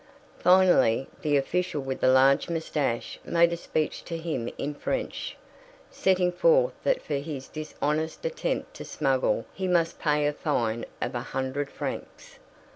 Finally the official with the large moustache made a speech to him in French, setting forth that for his dishonest attempt to smuggle he must pay a fine of a hundred francs.